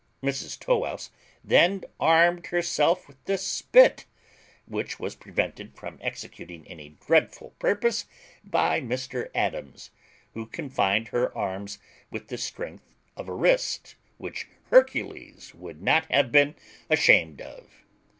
Mrs Tow wouse then armed herself with the spit, but was prevented from executing any dreadful purpose by Mr Adams, who confined her arms with the strength of a wrist which Hercules would not have been ashamed of.